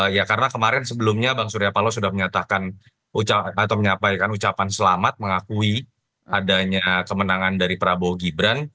ya karena kemarin sebelumnya bang surya paloh sudah menyatakan atau menyampaikan ucapan selamat mengakui adanya kemenangan dari prabowo gibran